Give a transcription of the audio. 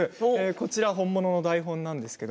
こちら本物の台本です。